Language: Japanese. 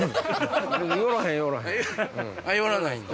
寄らないんだ？